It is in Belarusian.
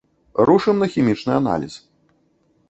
Рушым на хімічны аналіз.